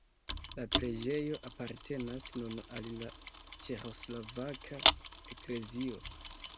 La preĝejo apartenas nun al la Ĉeĥoslovaka eklezio.